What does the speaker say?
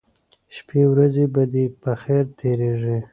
شپې ورځې به دې په خیر تیریږي